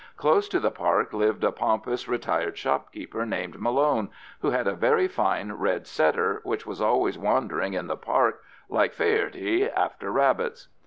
Close to the park lived a pompous retired shopkeeper called Malone, who had a very fine red setter, which was always wandering in the park, like Faherty, after rabbits.